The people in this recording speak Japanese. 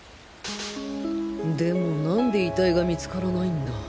でもなんで遺体が見つからないんだ